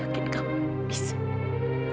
ibu tahu kamu bisa sayang